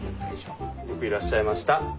よくいらっしゃいました。